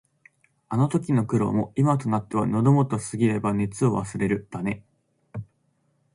あの時の苦労も、今となっては「喉元過ぎれば熱さを忘れる」だね。